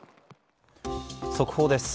速報です。